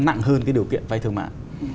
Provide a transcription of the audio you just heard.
nặng hơn cái điều kiện vay thương mại